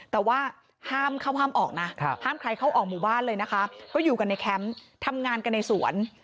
แต่ว่าห้ามเข้าห้ามออกนะห้ามใครเข้าออกหมู่บ้านเลยนะคะก็อยู่กันในแคมป์ทำงานกันในสวน